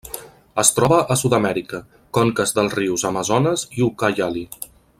Es troba a Sud-amèrica: conques dels rius Amazones i Ucayali.